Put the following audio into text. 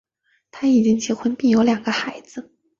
他已经结婚并有两个孩子。